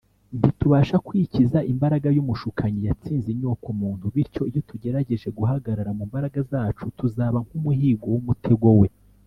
Ntitubasha kwikiza imbaraga y’umushukanyi; yatsinze inyokomuntu, bityo iyo tugerageje guhagarara mu mbaraga zacu, tuzaba nk’umuhigo w’umutego we;